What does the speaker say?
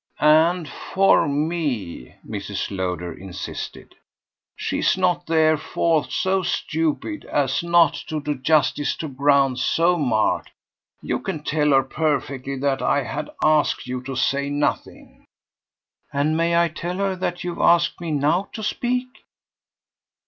"And for ME," Mrs. Lowder insisted. "She's not therefore so stupid as not to do justice to grounds so marked. You can tell her perfectly that I had asked you to say nothing." "And may I tell her that you've asked me now to speak?"